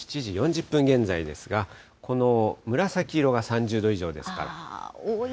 ７時４０分現在ですが、この紫色が３０度以上ですから。